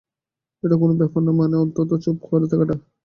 এটা কোন ব্যাপার না, মানে অন্তত চুপ করে থাকাটা।